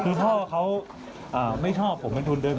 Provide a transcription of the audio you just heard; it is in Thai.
คือพ่อเขาไม่ชอบผมเป็นทุนเดิม